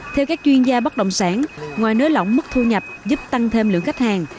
theo các chuyên gia bất động sản ngoài nới lỏng mức thu nhập giúp tăng thêm lượng khách hàng